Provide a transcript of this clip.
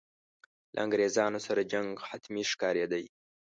له انګرېزانو سره جنګ حتمي ښکارېدی.